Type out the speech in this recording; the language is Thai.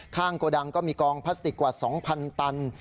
โกดังก็มีกองพลาสติกกว่า๒๐๐ตัน